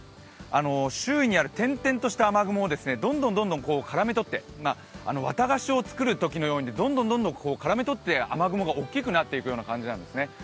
周囲にある点々とした雨雲をどんどんどんどん絡めとって、綿菓子を作るときのようにどんどん絡めとって雨雲が大きくなっていくような感じなんですね。